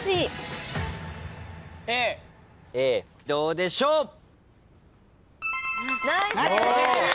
どうでしょう？